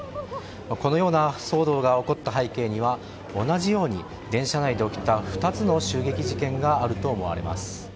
このような騒動が起こった背景には同じように電車内で起きた２つの襲撃事件があると思われます。